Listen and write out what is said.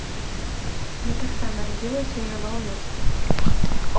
Я таксама радзілася і жыла ў вёсцы.